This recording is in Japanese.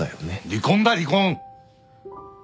離婚だ離婚！